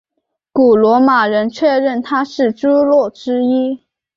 古罗马人确认她是朱诺之一。